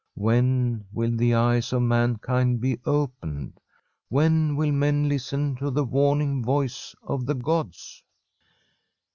When will the eyes o\ mankind be opened? When will men listen to the warning voice of the gods